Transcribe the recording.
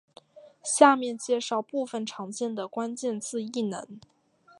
下面介绍部分常见的关键字异能。